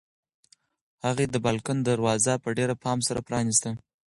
هغې د بالکن دروازه په ډېر پام سره پرانیسته.